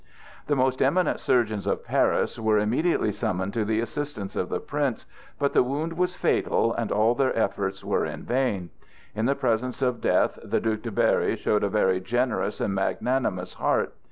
The most eminent surgeons of Paris were immediately summoned to the assistance of the Prince. But the wound was fatal, and all their efforts were in vain. In the presence of death the Duc de Berry showed a very generous and magnanimous heart.